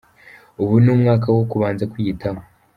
Ubu ni umwaka wo kubanza kwiyitaho.